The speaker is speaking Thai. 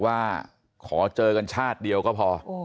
ว่าขอเจอกันชาติเดียวก็พอ